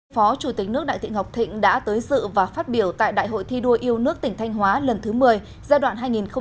phó chủ tịch nước đại thị ngọc thịnh đã tới dự và phát biểu tại đại hội thi đua yêu nước tỉnh thanh hóa lần thứ một mươi giai đoạn hai nghìn hai mươi hai nghìn hai mươi năm